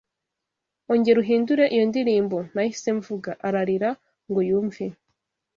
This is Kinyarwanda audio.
ongera uhindure iyo ndirimbo Nahise mvuga: ararira ngo yumve